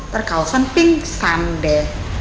terkawasan pink sande